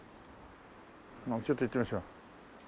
まあちょっと行ってみましょう。